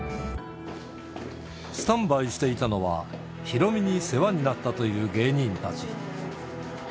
スタンバイしていたのは、ヒロミに世話になったという芸人たち。